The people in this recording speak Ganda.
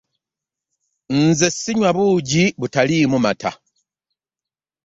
Nze sinywa buugi butalimu mata.